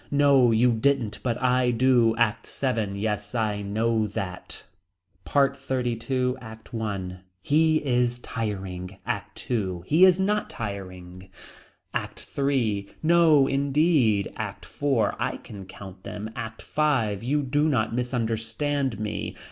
No you didn't but I do. ACT VII. Yes I know that. PART XXXII. ACT I. He is tiring. ACT II. He is not tiring. ACT III. No indeed. ACT IV. I can count them. ACT V. You do not misunderstand me.